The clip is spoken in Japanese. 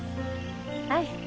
はい。